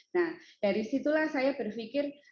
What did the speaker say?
nah dari situlah saya berpikir